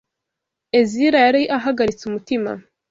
Ezira yari ahagaritse umutima